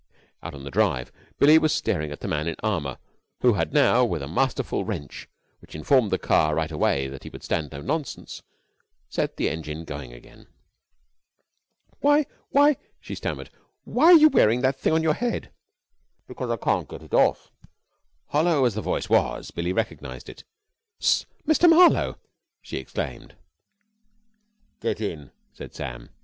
Out on the drive Billie was staring at the man in armour who had now, with a masterful wrench which informed the car right away that he would stand no nonsense, set the engine going again. "Why why," she stammered, "why are you wearing that thing on your head?" "Because I can't get it off." Hollow as the voice was, Billie recognised it. "S Mr. Marlowe!" she exclaimed. "Get in," said Sam.